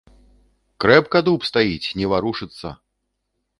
Крэпка дуб стаіць, не варушыцца!